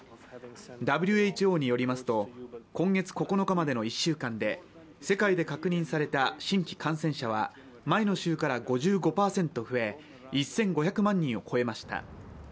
ＷＨＯによりますと今月９日までの１週間で世界で確認された新規感染者は前の週から５５％増え１５００万人を超えました。